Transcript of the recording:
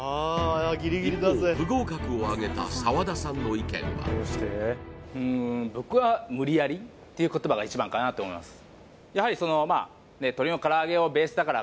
一方不合格をあげた澤田さんの意見はうん僕はっていう言葉が一番かなと思います